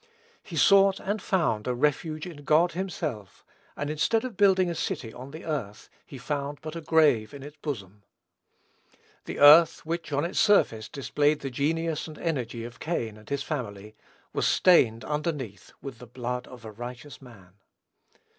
He sought and found a refuge in God himself; and instead of building a city on the earth, he found but a grave in its bosom. The earth, which on its surface displayed the genius and energy of Cain and his family, was stained underneath with the blood of a righteous man.